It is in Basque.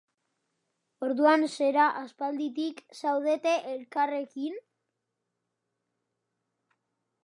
Orduan, zera... aspalditik zaudete elkarrekin?